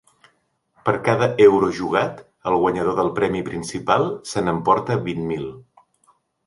Per cada euro jugat, el guanyador del premi principal se n’emporta vint mil.